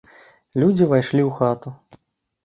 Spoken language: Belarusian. Людзі ўвайшлі ў хату.